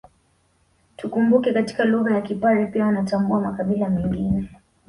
Tukumbuke katika lugha ya Kipare pia wanatambua makabila mengine